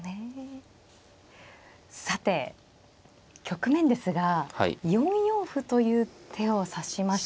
さて局面ですが４四歩という手を指しました。